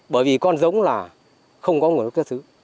bởi vì con giống là không có nguồn gốc xuất xứ